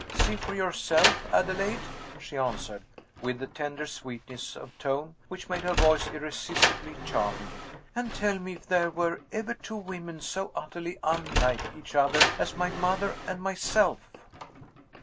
"See for yourself, Adelaide," she answered, with the tender sweetness of tone which made her voice irresistibly charming "and tell me if there were ever two women so utterly unlike each other as my mother and myself."